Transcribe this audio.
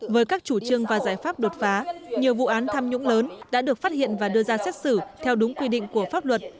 với các chủ trương và giải pháp đột phá nhiều vụ án tham nhũng lớn đã được phát hiện và đưa ra xét xử theo đúng quy định của pháp luật